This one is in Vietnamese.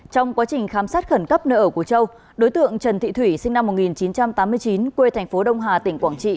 trong quá trình khám xét khẩn cấp nơi ở của châu đối tượng trần thị thủy sinh năm một nghìn chín trăm tám mươi chín quê thành phố đông hà tỉnh quảng trị